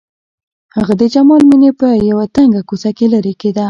هغه د جمال مېنې په يوه تنګه کوڅه کې لېرې کېده.